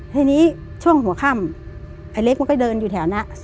ทีนี้ช่วงหัวค่ำไอ้เล็กมันก็เดินอยู่แถวนั้น